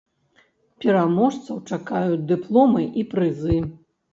Пераможцаў чакаюць дыпломы і прызы.